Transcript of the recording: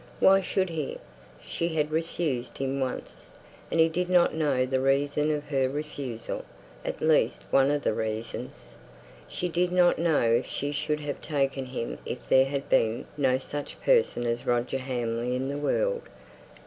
"Why should he? She had refused him once, and he did not know the reason of her refusal, at least one of the reasons. She did not know if she should have taken him if there had been no such person as Roger Hamley in the world.